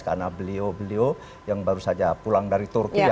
karena beliau beliau yang baru saja pulang dari turki